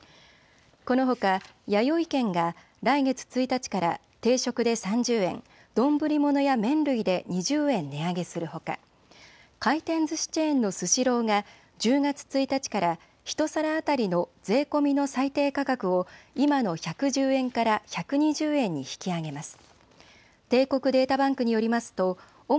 このほか、やよい軒が来月１日から定食で３０円、丼ものや麺類で２０円値上げするほか回転ずしチェーンのスシローが１０月１日から１皿当たりの税込みの最低価格を今の１１０円から１２０円に引き上げます。